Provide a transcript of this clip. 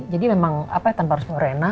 jadi memang tanpa harus melalui reina